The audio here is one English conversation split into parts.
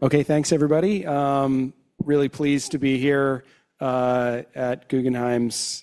Okay, thanks, everybody. Really pleased to be here, at Guggenheim's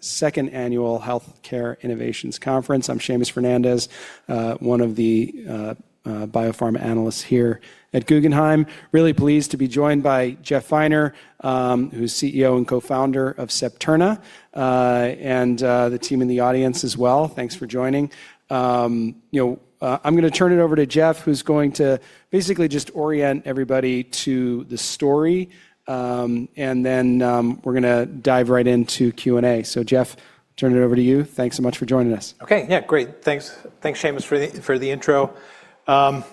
second annual Healthcare Innovations Conference. I'm Seamus Fernandez, one of the biopharma analysts here at Guggenheim. Really pleased to be joined by Jeff Finer, who's CEO and co-founder of Septerna, and the team in the audience as well. Thanks for joining. You know, I'm going to turn it over to Jeff, who's going to basically just orient everybody to the story. And then, we're going to dive right into Q&A. So, Jeff, turn it over to you. Thanks so much for joining us. Okay. Yeah, great. Thanks. Thanks, Seamus, for the intro. For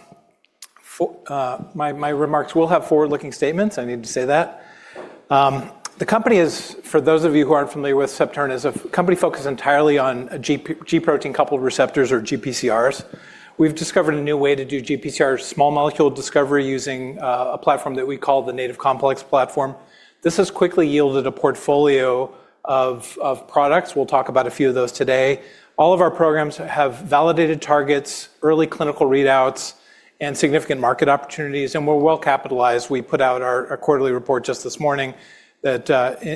my remarks, we'll have forward-looking statements. I need to say that. The company is, for those of you who aren't familiar with Septerna, is a company focused entirely on G protein-coupled receptors, or GPCRs. We've discovered a new way to do GPCR small molecule discovery, using a platform that we call the Native Complex platform. This has quickly yielded a portfolio of products. We'll talk about a few of those today. All of our programs have validated targets, early clinical readouts, and significant market opportunities, and we're well capitalized. We put out our quarterly report just this morning that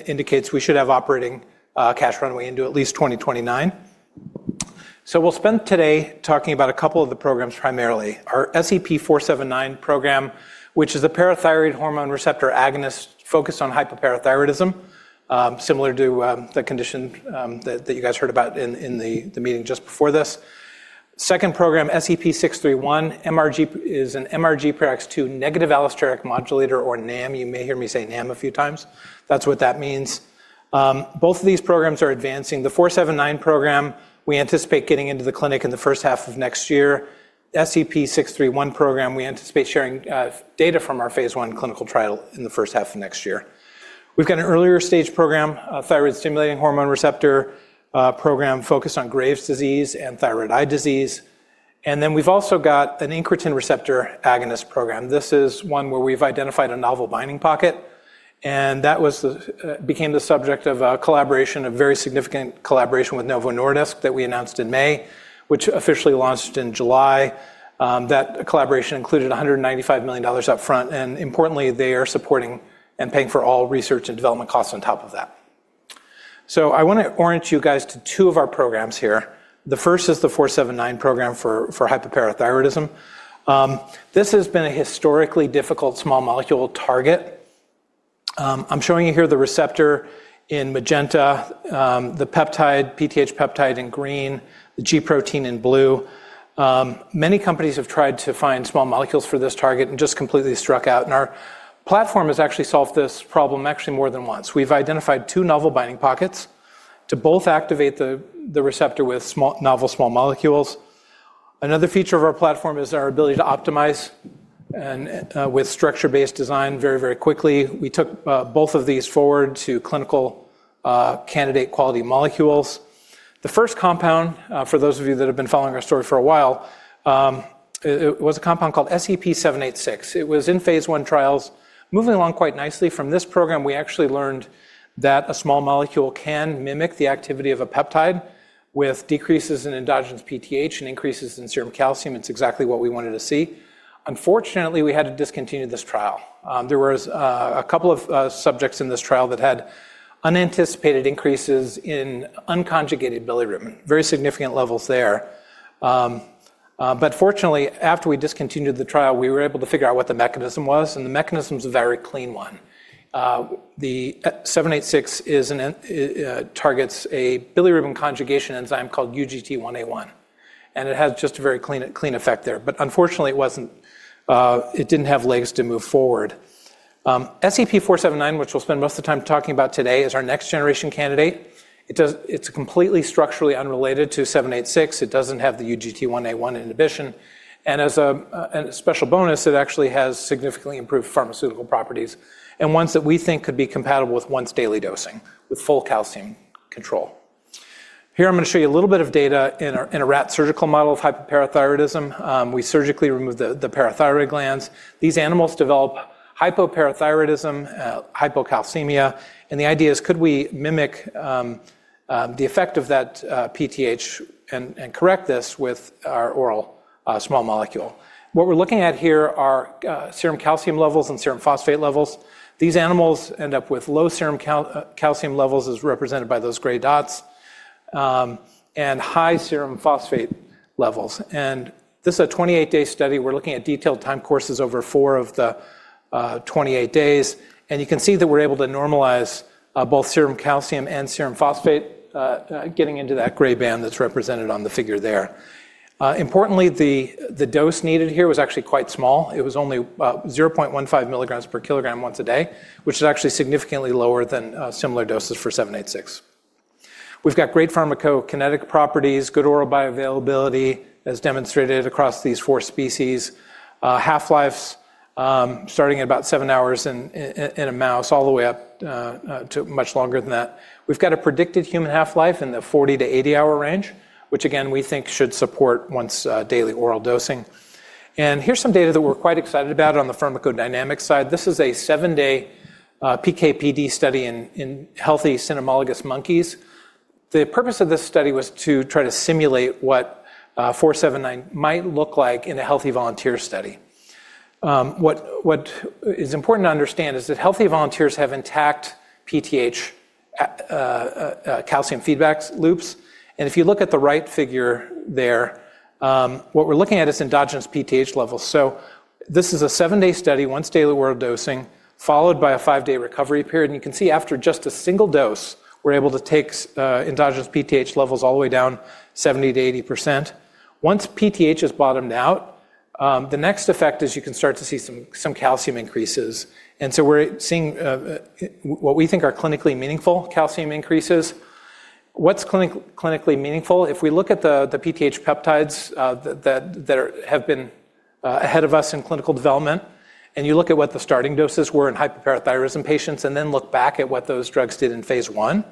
indicates we should have operating cash runway into at least 2029. We'll spend today talking about a couple of the programs primarily. Our SEP-479 program, which is a parathyroid hormone receptor agonist focused on hyperparathyroidism, similar to the condition that you guys heard about in the meeting just before this. Second program, SEP-631, is an MRGPRX2 negative allosteric modulator, or NAM. You may hear me say NAM a few times. That's what that means. Both of these programs are advancing. The 479 program, we anticipate getting into the clinic in the first half of next year. SEP-631 program, we anticipate sharing data from our phase one clinical trial in the first half of next year. We've got an earlier stage program, a thyroid-stimulating hormone receptor program focused on Graves' disease and thyroid eye disease. We have also got an incretin receptor agonist program. This is one where we've identified a novel binding pocket, and that became the subject of a collaboration, a very significant collaboration with Novo Nordisk that we announced in May, which officially launched in July. That collaboration included $195 million upfront, and importantly, they are supporting and paying for all research and development costs on top of that. I want to orient you guys to two of our programs here. The first is the 479 program for hyperparathyroidism. This has been a historically difficult small molecule target. I'm showing you here the receptor in magenta, the peptide, PTH peptide in green, the G protein in blue. Many companies have tried to find small molecules for this target and just completely struck out, and our platform has actually solved this problem actually more than once. We've identified two novel binding pockets to both activate the receptor with novel small molecules. Another feature of our platform is our ability to optimize and with structure-based design very, very quickly. We took both of these forward to clinical candidate quality molecules. The first compound, for those of you that have been following our story for a while, it was a compound called SEP-786. It was in phase I trials, moving along quite nicely. From this program, we actually learned that a small molecule can mimic the activity of a peptide with decreases in endogenous PTH and increases in serum calcium. It's exactly what we wanted to see. Unfortunately, we had to discontinue this trial. There were a couple of subjects in this trial that had unanticipated increases in unconjugated bilirubin, very significant levels there. Fortunately, after we discontinued the trial, we were able to figure out what the mechanism was, and the mechanism is a very clean one. The 786 targets a bilirubin conjugation enzyme called UGT1A1, and it has just a very clean effect there. Unfortunately, it did not have legs to move forward. SEP-479, which we will spend most of the time talking about today, is our next generation candidate. It is completely structurally unrelated to 786. It does not have the UGT1A1 inhibition. As a special bonus, it actually has significantly improved pharmaceutical properties and ones that we think could be compatible with once daily dosing with full calcium control. Here, I am going to show you a little bit of data in a rat surgical model of hyperparathyroidism. We surgically remove the parathyroid glands. These animals develop hypoparathyroidism, hypocalcemia, and the idea is, could we mimic the effect of that PTH and correct this with our oral small molecule? What we are looking at here are serum calcium levels and serum phosphate levels. These animals end up with low serum calcium levels, as represented by those gray dots, and high serum phosphate levels. This is a 28-day study. We're looking at detailed time courses over four of the 28 days. You can see that we're able to normalize both serum calcium and serum phosphate, getting into that gray band that's represented on the figure there. Importantly, the dose needed here was actually quite small. It was only 0.15 milligrams per kilogram once a day, which is actually significantly lower than similar doses for 786. We've got great pharmacokinetic properties, good oral bioavailability, as demonstrated across these four species, half-lives starting at about seven hours in a mouse, all the way up to much longer than that. We've got a predicted human half-life in the 40-80 hour range, which, again, we think should support once daily oral dosing. Here's some data that we're quite excited about on the pharmacodynamic side. This is a seven-day PKPD study in healthy cynomolgus monkeys. The purpose of this study was to try to simulate what 479 might look like in a healthy volunteer study. What is important to understand is that healthy volunteers have intact PTH calcium feedback loops. If you look at the right figure there, what we're looking at is endogenous PTH levels. This is a seven-day study, once daily oral dosing, followed by a five-day recovery period. You can see after just a single dose, we're able to take endogenous PTH levels all the way down 70-80%. Once PTH is bottomed out, the next effect is you can start to see some calcium increases. We're seeing what we think are clinically meaningful calcium increases. What's clinically meaningful? If we look at the PTH peptides that have been ahead of us in clinical development, and you look at what the starting doses were in hyperparathyroidism patients, and then look back at what those drugs did in phase one,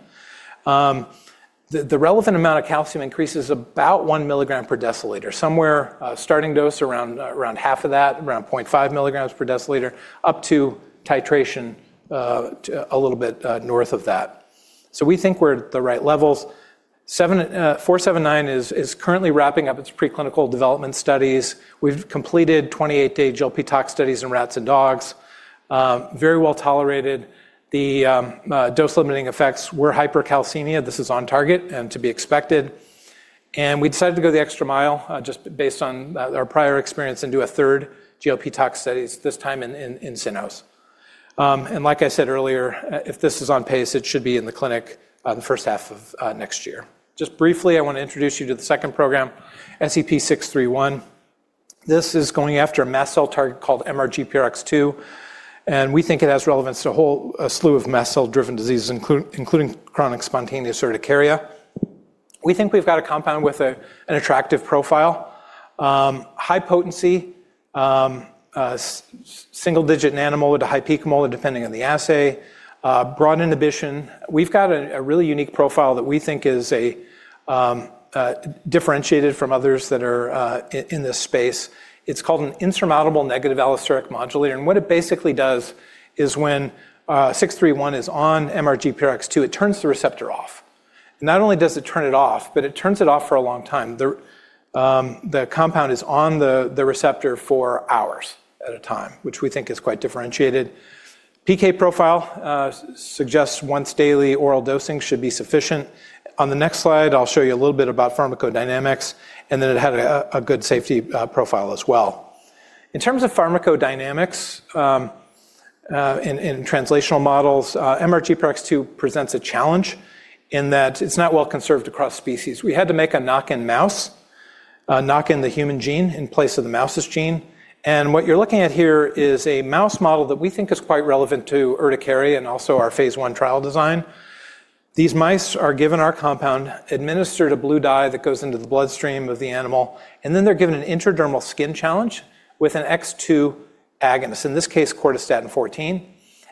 the relevant amount of calcium increases about 1 milligram per deciliter, somewhere starting dose around half of that, around 0.5 milligrams per deciliter, up to titration a little bit north of that. We think we're at the right levels. 479 is currently wrapping up its preclinical development studies. We've completed 28-day GLP-tox studies in rats and dogs, very well tolerated. The dose-limiting effects were hypercalcemia. This is on target and to be expected. We decided to go the extra mile, just based on our prior experience, and do a third GLP-tox studies, this time in SNOs. Like I said earlier, if this is on pace, it should be in the clinic the first half of next year. Just briefly, I want to introduce you to the second program, SEP-631. This is going after a mast cell target called MRGPRX2, and we think it has relevance to a whole slew of mast cell-driven diseases, including chronic spontaneous urticaria. We think we've got a compound with an attractive profile, high potency, single-digit nanomolar to high picomolar, depending on the assay, broad inhibition. We've got a really unique profile that we think is differentiated from others that are in this space. It's called an insurmountable negative allosteric modulator. What it basically does is when 631 is on MRGPRX2, it turns the receptor off. Not only does it turn it off, but it turns it off for a long time. The compound is on the receptor for hours at a time, which we think is quite differentiated. PK profile suggests once daily oral dosing should be sufficient. On the next slide, I'll show you a little bit about pharmacodynamics, and then it had a good safety profile as well. In terms of pharmacodynamics in translational models, MRGPRX2 presents a challenge in that it's not well conserved across species. We had to make a knock-in mouse, knock in the human gene in place of the mouse's gene. What you're looking at here is a mouse model that we think is quite relevant to urticaria and also our phase one trial design. These mice are given our compound, administered a blue dye that goes into the bloodstream of the animal, and then they're given an intradermal skin challenge with an X2 agonist, in this case, Cortistatin 14.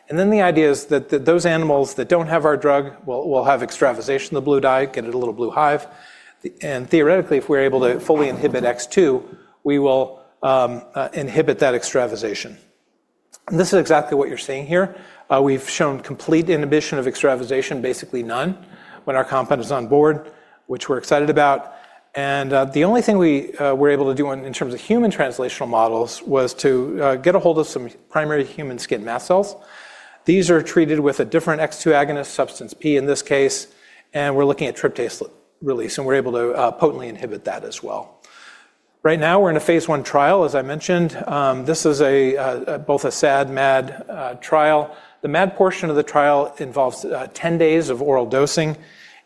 The idea is that those animals that do not have our drug will have extravasation of the blue dye, get a little blue hive. Theoretically, if we are able to fully inhibit X2, we will inhibit that extravasation. This is exactly what you are seeing here. We have shown complete inhibition of extravasation, basically none, when our compound is on board, which we are excited about. The only thing we were able to do in terms of human translational models was to get a hold of some primary human skin mast cells. These are treated with a different X2 agonist, substance P in this case, and we are looking at tryptase release, and we are able to potently inhibit that as well. Right now, we are in a phase one trial, as I mentioned. This is both a SAD, MAD trial. The MAD portion of the trial involves 10 days of oral dosing.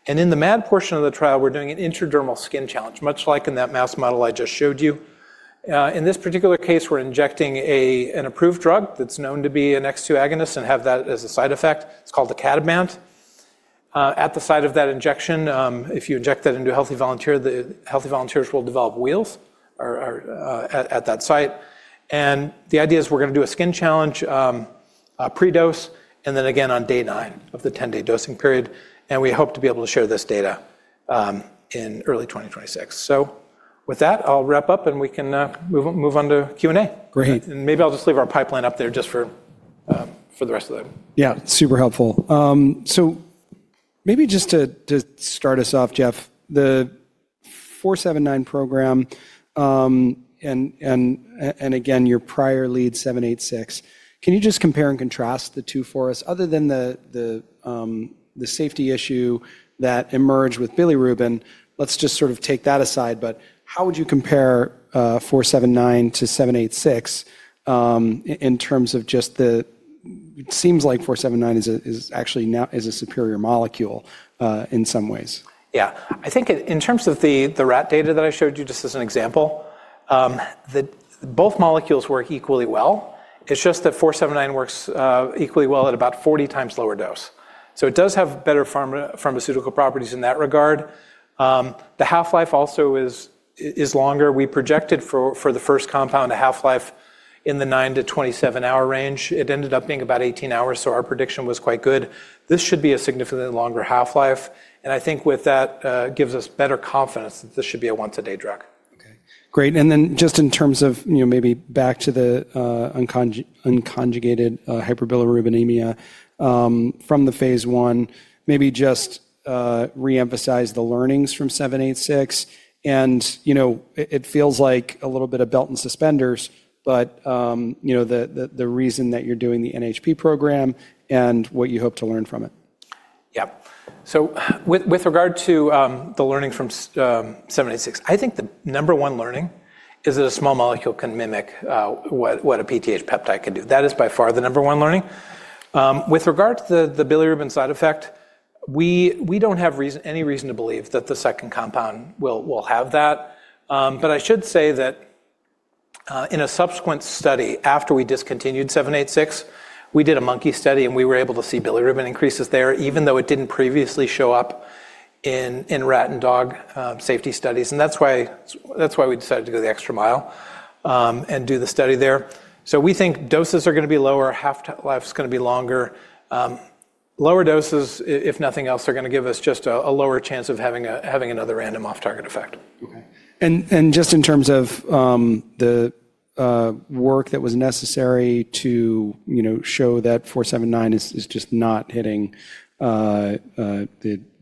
In the MAD portion of the trial, we're doing an intradermal skin challenge, much like in that mouse model I just showed you. In this particular case, we're injecting an approved drug that's known to be an X2 agonist and have that as a side effect. It's called Icatibant. At the site of that injection, if you inject that into a healthy volunteer, the healthy volunteers will develop wheals at that site. The idea is we're going to do a skin challenge pre-dose and then again on day nine of the 10-day dosing period. We hope to be able to share this data in early 2026. With that, I'll wrap up and we can move on to Q&A. Great. Maybe I'll just leave our pipeline up there just for the rest of the— yeah, super helpful. Maybe just to start us off, Jeff, the 479 program and again, your prior lead 786, can you just compare and contrast the two for us? Other than the safety issue that emerged with bilirubin, let's just sort of take that aside, but how would you compare 479 to 786 in terms of just the it seems like 479 is actually a superior molecule in some ways. Yeah, I think in terms of the rat data that I showed you just as an example, both molecules work equally well. It's just that 479 works equally well at about 40 times lower dose. So it does have better pharmaceutical properties in that regard. The half-life also is longer. We projected for the first compound a half-life in the 9-27 hour range. It ended up being about 18 hours, so our prediction was quite good. This should be a significantly longer half-life. I think with that gives us better confidence that this should be a once-a-day drug. Okay, great. Just in terms of maybe back to the unconjugated hyperbilirubinemia from the phase one, maybe just reemphasize the learnings from 786. It feels like a little bit of belt and suspenders, but the reason that you're doing the NHP program and what you hope to learn from it. Yeah, with regard to the learning from 786, I think the number one learning is that a small molecule can mimic what a PTH peptide can do. That is by far the number one learning. With regard to the bilirubin side effect, we do not have any reason to believe that the second compound will have that. I should say that in a subsequent study, after we discontinued 786, we did a monkey study and we were able to see bilirubin increases there, even though it did not previously show up in rat and dog safety studies. That is why we decided to go the extra mile and do the study there. We think doses are going to be lower, half-life is going to be longer. Lower doses, if nothing else, are going to give us just a lower chance of having another random off-target effect. Okay. Just in terms of the work that was necessary to show that 479 is just not hitting the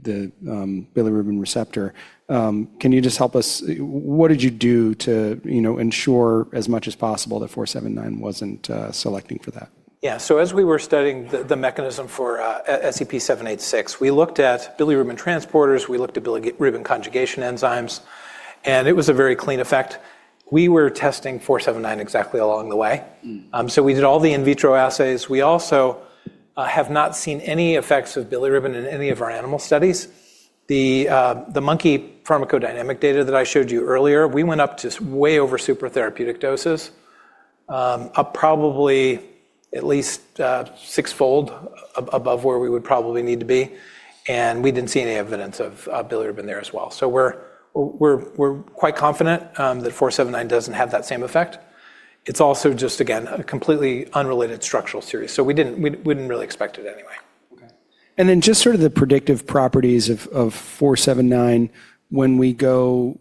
bilirubin receptor, can you just help us? What did you do to ensure as much as possible that 479 was not selecting for that? Yeah, as we were studying the mechanism for SEP-786, we looked at bilirubin transporters, we looked at bilirubin conjugation enzymes, and it was a very clean effect. We were testing 479 exactly along the way. We did all the in vitro assays. We also have not seen any effects of bilirubin in any of our animal studies. The monkey pharmacodynamic data that I showed you earlier, we went up to way over supratherapeutic doses, probably at least sixfold above where we would probably need to be. We did not see any evidence of bilirubin there as well. We are quite confident that 479 does not have that same effect. It is also just, again, a completely unrelated structural series. We did not really expect it anyway. Okay. Just sort of the predictive properties of 479 when we go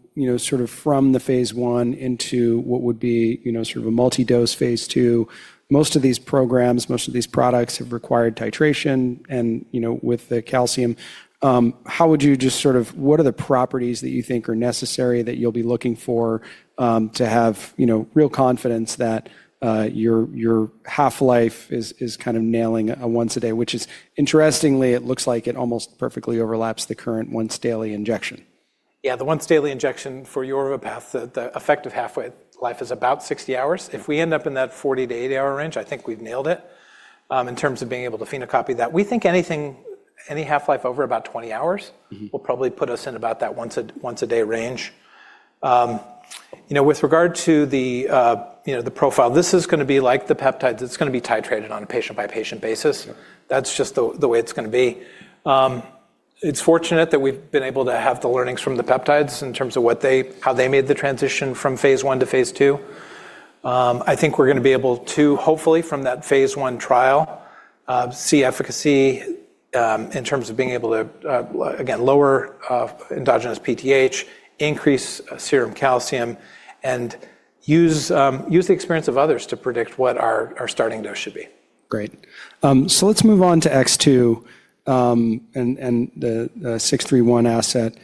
from the phase one into what would be a multi-dose phase two, most of these programs, most of these products have required titration with the calcium. How would you just sort of what are the properties that you think are necessary that you'll be looking for to have real confidence that your half-life is kind of nailing a once-a-day, which is interestingly, it looks like it almost perfectly overlaps the current once-daily injection. Yeah, the once-daily injection for Yorvipath, the effective half-life is about 60 hours. If we end up in that 40-80 hour range, I think we've nailed it in terms of being able to phenocopy that. We think any half-life over about 20 hours will probably put us in about that once-a-day range. With regard to the profile, this is going to be like the peptides. It's going to be titrated on a patient-by-patient basis. That's just the way it's going to be. It's fortunate that we've been able to have the learnings from the peptides in terms of how they made the transition from phase one to phase two. I think we're going to be able to, hopefully, from that phase one trial, see efficacy in terms of being able to, again, lower endogenous PTH, increase serum calcium, and use the experience of others to predict what our starting dose should be. Great. Let's move on to X2 and the 631 asset.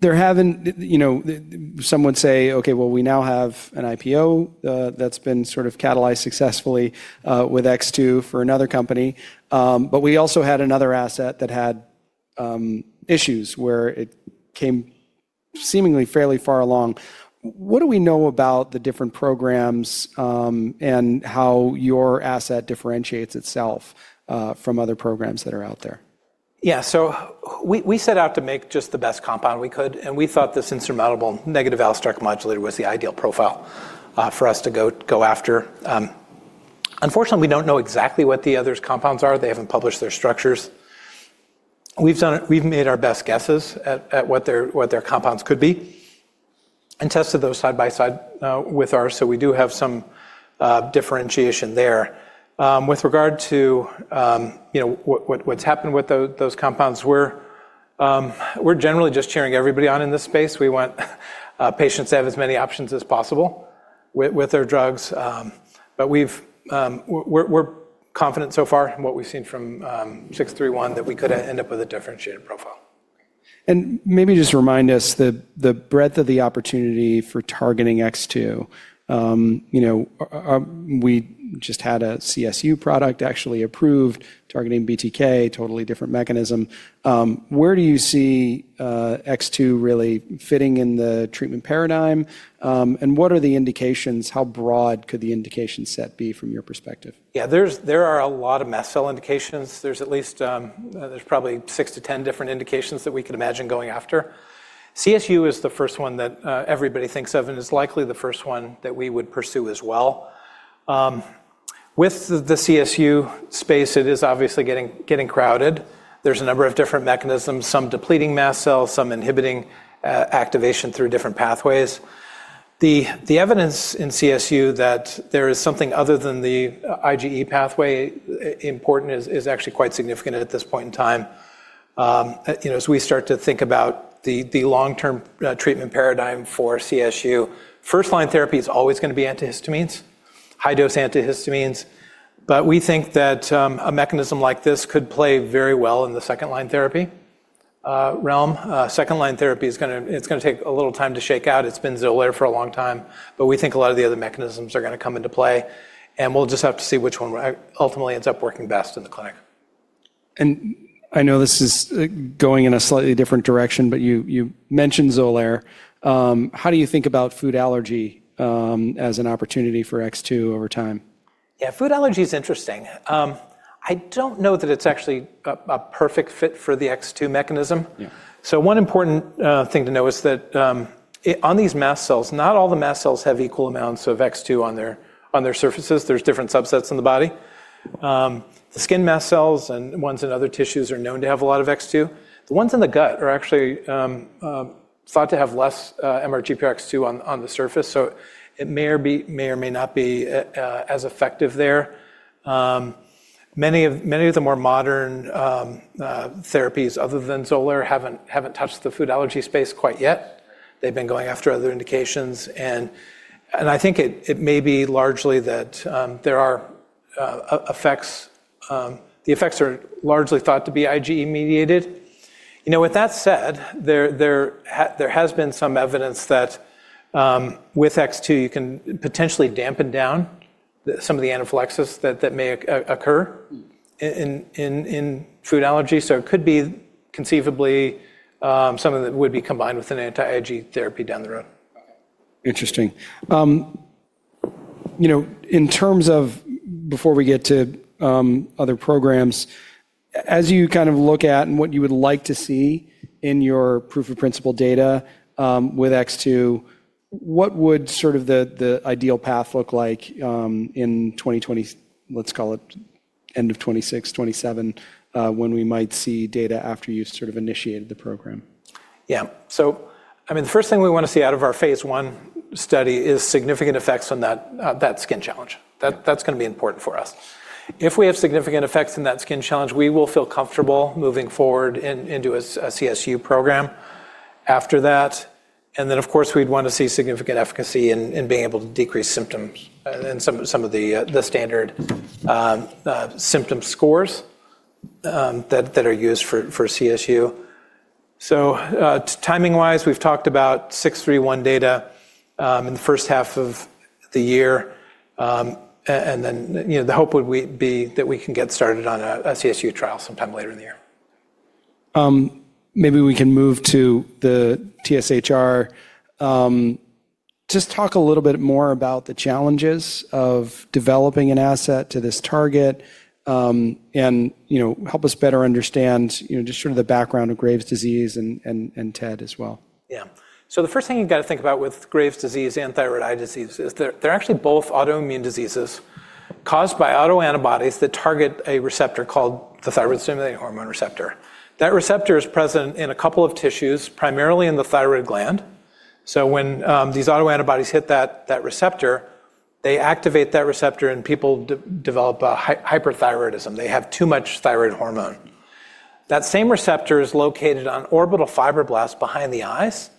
Some would say, "Okay, well, we now have an IPO that's been sort of catalyzed successfully with X2 for another company." We also had another asset that had issues where it came seemingly fairly far along. What do we know about the different programs and how your asset differentiates itself from other programs that are out there? Yeah, so we set out to make just the best compound we could, and we thought this insurmountable negative allosteric modulator was the ideal profile for us to go after. Unfortunately, we do not know exactly what the others' compounds are. They have not published their structures. We have made our best guesses at what their compounds could be and tested those side by side with ours, so we do have some differentiation there. With regard to what has happened with those compounds, we are generally just cheering everybody on in this space. We want patients to have as many options as possible with their drugs. We are confident so far in what we have seen from 631 that we could end up with a differentiated profile. Maybe just remind us the breadth of the opportunity for targeting X2. We just had a CSU product actually approved targeting BTK, totally different mechanism. Where do you see X2 really fitting in the treatment paradigm? What are the indications? How broad could the indication set be from your perspective? Yeah, there are a lot of mast cell indications. There's probably six to ten different indications that we could imagine going after. CSU is the first one that everybody thinks of and is likely the first one that we would pursue as well. With the CSU space, it is obviously getting crowded. There's a number of different mechanisms, some depleting mast cells, some inhibiting activation through different pathways. The evidence in CSU that there is something other than the IgE pathway important is actually quite significant at this point in time. As we start to think about the long-term treatment paradigm for CSU, first-line therapy is always going to be antihistamines, high-dose antihistamines. We think that a mechanism like this could play very well in the second-line therapy realm. Second-line therapy is going to take a little time to shake out. It has been Xolair for a long time, but we think a lot of the other mechanisms are going to come into play. We will just have to see which one ultimately ends up working best in the clinic. I know this is going in a slightly different direction, but you mentioned Xolair. How do you think about food allergy as an opportunity for X2 over time? Yeah, food allergy is interesting. I do not know that it is actually a perfect fit for the X2 mechanism. One important thing to know is that on these mast cells, not all the mast cells have equal amounts of X2 on their surfaces. There are different subsets in the body. The skin mast cells and ones in other tissues are known to have a lot of X2. The ones in the gut are actually thought to have less MRGPRX2 on the surface, so it may or may not be as effective there. Many of the more modern therapies other than Xolair have not touched the food allergy space quite yet. They have been going after other indications. I think it may be largely that there are effects. The effects are largely thought to be IGE-mediated. With that said, there has been some evidence that with X2, you can potentially dampen down some of the anaphylaxis that may occur in food allergy. It could be conceivably something that would be combined with an anti-IgE therapy down the road. Interesting. In terms of before we get to other programs, as you kind of look at and what you would like to see in your proof of principle data with X2, what would sort of the ideal path look like in 2026, let's call it end of 2026, 2027, when we might see data after you sort of initiated the program? Yeah, I mean, the first thing we want to see out of our phase one study is significant effects on that skin challenge. That's going to be important for us. If we have significant effects in that skin challenge, we will feel comfortable moving forward into a CSU program after that. We'd want to see significant efficacy in being able to decrease symptoms and some of the standard symptom scores that are used for CSU. Timing-wise, we've talked about 631 data in the first half of the year. The hope would be that we can get started on a CSU trial sometime later in the year. Maybe we can move to the TSHR. Just talk a little bit more about the challenges of developing an asset to this target and help us better understand just sort of the background of Graves' disease and TED as well. Yeah, the first thing you've got to think about with Graves' disease and thyroid eye disease is they're actually both autoimmune diseases caused by autoantibodies that target a receptor called the thyroid-stimulating hormone receptor. That receptor is present in a couple of tissues, primarily in the thyroid gland. When these autoantibodies hit that receptor, they activate that receptor and people develop hyperthyroidism. They have too much thyroid hormone. That same receptor is located on orbital fibroblasts behind the eyes.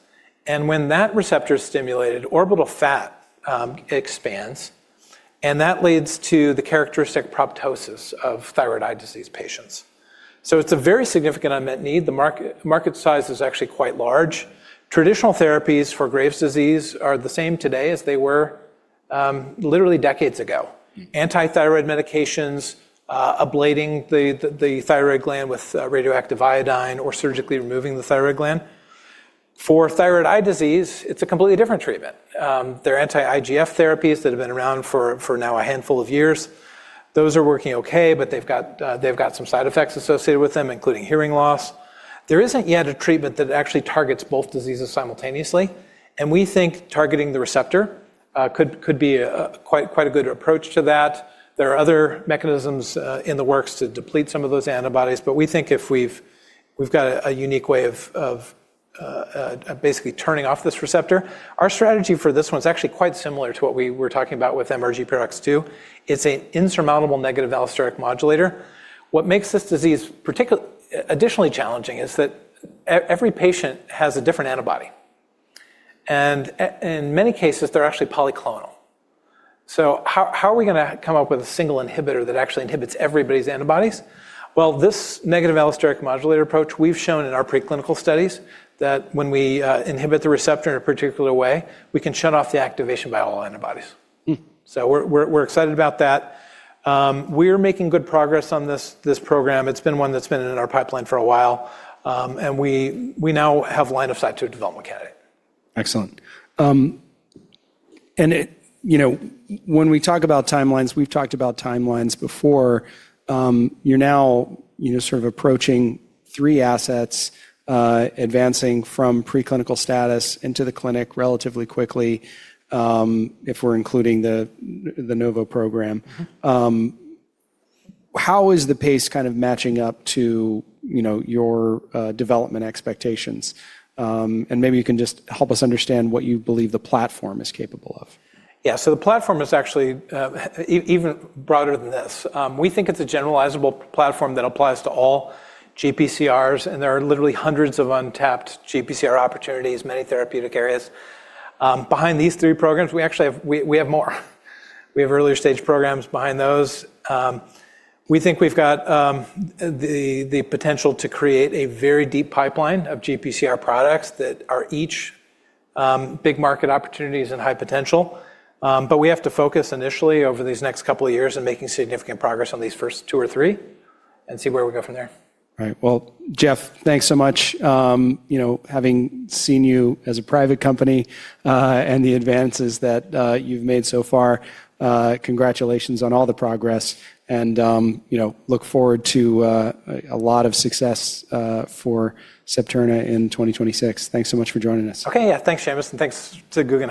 When that receptor is stimulated, orbital fat expands, and that leads to the characteristic proptosis of thyroid eye disease patients. It is a very significant unmet need. The market size is actually quite large. Traditional therapies for Graves' disease are the same today as they were literally decades ago: anti-thyroid medications, ablating the thyroid gland with radioactive iodine, or surgically removing the thyroid gland. For thyroid eye disease, it is a completely different treatment. There are anti-IGF therapies that have been around for now a handful of years. Those are working okay, but they have got some side effects associated with them, including hearing loss. There isn't yet a treatment that actually targets both diseases simultaneously. We think targeting the receptor could be quite a good approach to that. There are other mechanisms in the works to deplete some of those antibodies. We think if we've got a unique way of basically turning off this receptor, our strategy for this one is actually quite similar to what we were talking about with MRGPRX2. It's an insurmountable negative allosteric modulator. What makes this disease additionally challenging is that every patient has a different antibody. In many cases, they're actually polyclonal. How are we going to come up with a single inhibitor that actually inhibits everybody's antibodies? This negative allosteric modulator approach, we've shown in our preclinical studies that when we inhibit the receptor in a particular way, we can shut off the activation by all antibodies. We're excited about that. We're making good progress on this program. It's been one that's been in our pipeline for a while. We now have line of sight to a development candidate. Excellent. When we talk about timelines, we've talked about timelines before. You're now sort of approaching three assets, advancing from preclinical status into the clinic relatively quickly, if we're including the Novo program. How is the pace kind of matching up to your development expectations? Maybe you can just help us understand what you believe the platform is capable of. Yeah, the platform is actually even broader than this. We think it's a generalizable platform that applies to all GPCRs, and there are literally hundreds of untapped GPCR opportunities, many therapeutic areas. Behind these three programs, we actually have more. We have earlier stage programs behind those. We think we've got the potential to create a very deep pipeline of GPCR products that are each big market opportunities and high potential. We have to focus initially over these next couple of years in making significant progress on these first two or three and see where we go from there. Right. Jeff, thanks so much. Having seen you as a private company and the advances that you've made so far, congratulations on all the progress. I look forward to a lot of success for Septerna in 2026. Thanks so much for joining us. Okay, yeah, thanks, Seamus. And thanks to Guggenheim.